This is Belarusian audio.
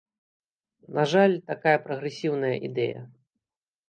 На жаль, такая прагрэсіўная ідэя.